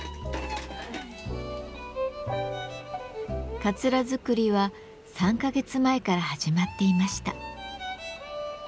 かつら作りは３か月前から始まっていました。